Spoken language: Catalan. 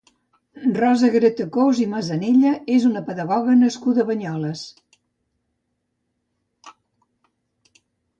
Rosa Gratacós i Masanella és una pedagoga nascuda a Banyoles.